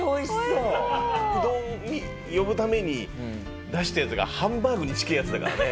うどんに呼ぶために出したやつがハンバーグに近えやつだからね。